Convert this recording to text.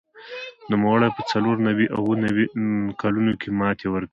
نوموړي په څلور نوي او اووه نوي کلونو کې ماتې ورکړې